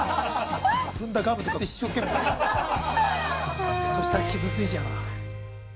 踏んだガムとか一生懸命そしたら、傷ついちゃうな◆